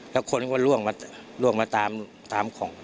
แล้วคนก็ล่วงมาตามของ